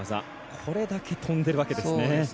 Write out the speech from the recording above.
これだけ跳んでいるわけですね。